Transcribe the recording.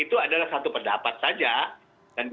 itu adalah satu pendapat saja